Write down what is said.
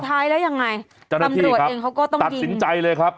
ท้ายแล้วยังไงตำรวจเองเขาก็ต้องตัดสินใจเลยครับ